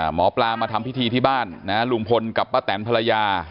หมอปลามาทำพิธีที่บ้านลุงพลกับป้าแตนภรรยา